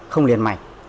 không liền mạch